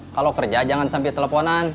kalau kerja jangan sampai teleponan